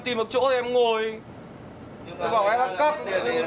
đến đây công an công an phòng đứng ngay đây